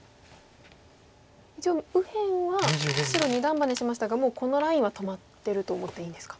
一応右辺は白二段バネしましたがもうこのラインは止まってると思っていいんですか？